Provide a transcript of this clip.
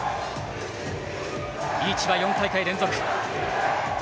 リーチは４大会連続。